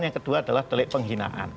yang kedua adalah delik penghinaan